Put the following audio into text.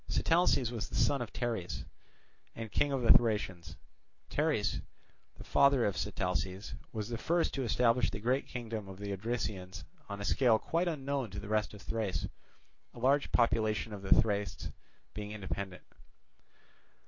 Sitalces was the son of Teres and King of the Thracians. Teres, the father of Sitalces, was the first to establish the great kingdom of the Odrysians on a scale quite unknown to the rest of Thrace, a large portion of the Thracians being independent.